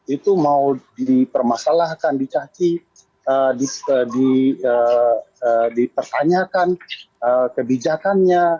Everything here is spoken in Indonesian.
itu mau dipermasalahkan dicaci dipertanyakan kebijakannya